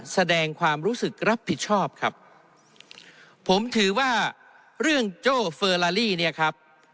แสดงความรู้สึกรับผิดชอบครับผมถือว่าเรื่องโจ้เฟอร์ลาลี่เนี่ยครับ